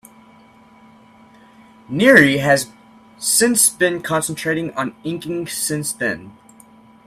Neary has since been concentrating on inking since then.